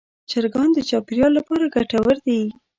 چرګان د چاپېریال لپاره ګټور دي.